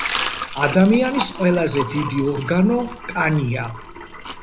ადამიანის ყველაზე დიდი ორგანო კანია